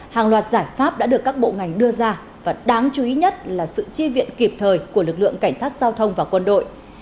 hàng loạt giải pháp đã được các bộ ngành đưa ra và đáng chú ý nhất là sự chi viện kịp thời của lực lượng cảnh sát giao thông và quân đội